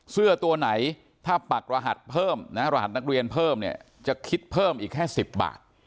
เสื้อตัวไหนถ้าปักรหัสเพิ่มนะรหัสนักเรียนเพิ่มเนี่ยจะคิดเพิ่มอีกแค่๑๐บาท